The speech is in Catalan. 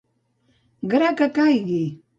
Gra que caigui!